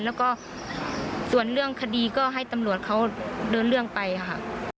แล้วก็ส่วนเรื่องคดีก็ให้ตำรวจเขาเดินเรื่องไปค่ะ